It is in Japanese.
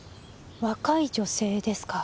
若い女性ですか？